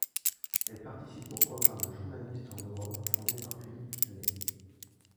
Elle participe au programme Journalistes en Europe fondé par Philippe Viannay.